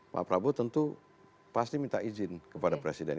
pak prabowo tentu pasti minta izin kepada presiden